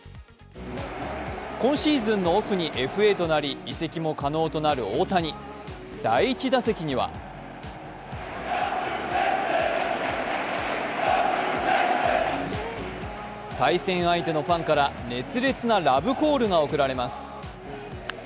今シーズンのオフにＦＡとなり移籍も可能となる大谷、第１打席には対戦相手のファンから熱烈なラブコールが送られます。